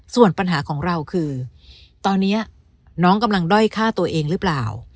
ส่วนปัญหาของเราคือตอนนี้น้องกำลังด้อยฆ่าตัวเองหรือเปล่า